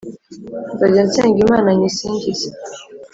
nzajya nsenga imana nyisingize